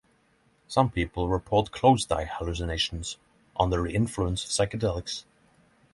Some people report closed-eye hallucinations under the influence of psychedelics.